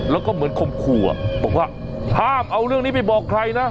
แล้วก็เหมือนข่มขู่บอกว่าห้ามเอาเรื่องนี้ไปบอกใครนะ